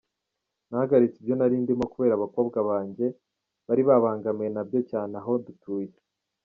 Nahagaritse ibyo nari ndimo kubera abakobwa banjye, bari babangamiwe nabyo cyane aho dutuye.